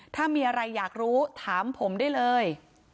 ถ้ามีอะไรอยากรู้ถามผมได้เลย